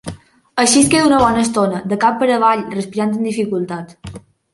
Així es queda una bona estona, de cap per avall, respirant amb dificultat.